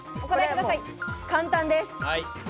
簡単です。